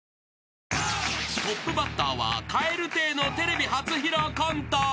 ［トップバッターは蛙亭のテレビ初披露コント］